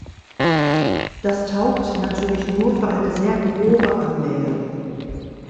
Das taugt natürlich nur für eine sehr grobe Annäherung.